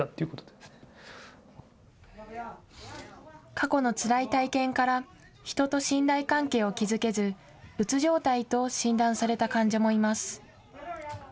過去のつらい体験から人と信頼関係を築けずうつ状態と診断された患者もいます。